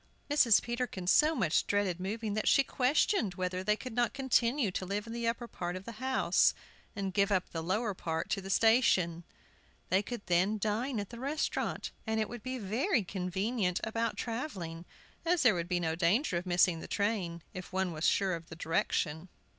Mrs. Peterkin so much dreaded moving that she questioned whether they could not continue to live in the upper part of the house and give up the lower part to the station. They could then dine at the restaurant, and it would be very convenient about travelling, as there would be no danger of missing the train, if one were sure of the direction.